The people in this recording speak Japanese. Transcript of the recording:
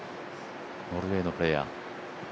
ノルウェーのプレーヤー。